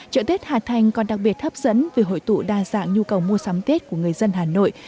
chợ tết hà thành còn đặc biệt hấp dẫn vì hội tụ đa dạng nhu cầu mua sắm tết của người dân hà nội